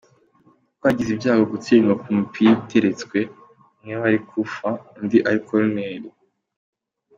Twagize ibyago dutsindwa ku mipira iteretse, umwe wari coup franc undi ari koruneri.